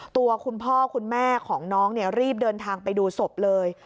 ตัวคุณพ่อคุณแม่ของน้องรีบเดินทางไปดูศพเลย